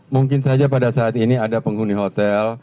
mungkin saja pada saat ini ada penghuni hotel